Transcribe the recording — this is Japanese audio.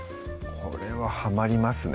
これははまりますね